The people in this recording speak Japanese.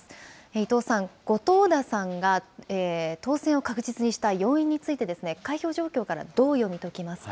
伊藤さん、後藤田さんが当選を確実にした要因について、開票状況からどう読み解きますか？